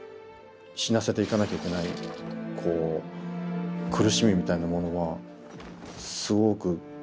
死なせていかなきゃいけない苦しみみたいなものはすごくありましたね。